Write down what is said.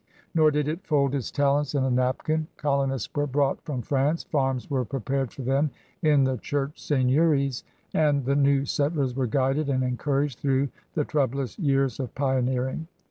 Nor did it fold its talents in a napkin. Colonists were brought from France, farms were prepared for them in the church seign euries, and the new settlers were guided and encouraged through the troublous years of pioneer ing.